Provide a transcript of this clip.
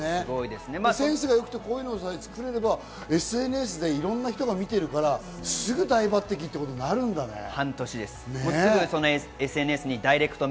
センスが良くて、こういうのを作れればＳＮＳでいろんな人が見てるから、すぐ大抜てきってことになるんだね。